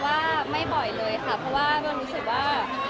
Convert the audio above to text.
แต่พอคือมีกะทิขวดเลี้ยวใครเข้ามารู้สึกว่ามันง่ายขึ้น